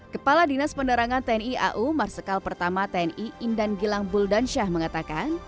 kepala dinas penderangan tni au marsikal pertama tni indangilang buldansyah mengatakan